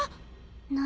何？